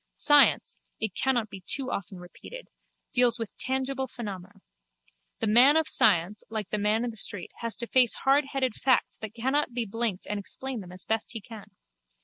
Science, it cannot be too often repeated, deals with tangible phenomena. The man of science like the man in the street has to face hardheaded facts that cannot be blinked and explain them as best he can.